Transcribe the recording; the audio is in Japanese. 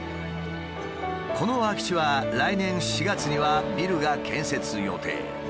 この空き地は来年４月にはビルが建設予定。